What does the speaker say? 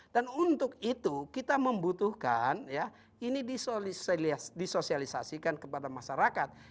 dan untuk itu kita membutuhkan ini disosialisasikan kepada masyarakat